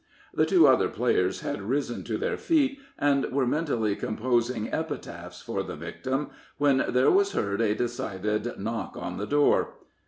The two other players had risen to their feet, and were mentally composing epitaphs for the victim, when there was heard a decided knock on the door.